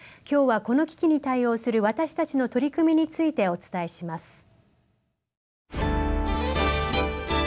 今日はこの危機に対応する私たちの取り組みについてお伝えします。